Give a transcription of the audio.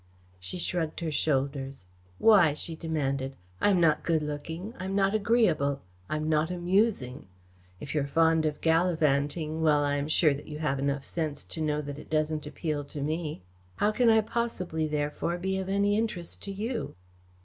She shrugged her shoulders. "Why?" she demanded. "I am not good looking. I am not agreeable. I am not amusing. If you are fond of gallivanting well, I am sure that you have sense enough to know that it doesn't appeal to me. How can I possibly, therefore, be of any interest to you?"